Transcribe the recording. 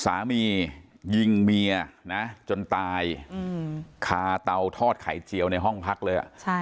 สามียิงเมียนะจนตายคาเตาทอดไข่เจียวในห้องพักเลย